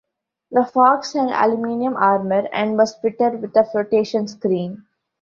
The Fox had aluminium armour and was fitted with a flotation screen.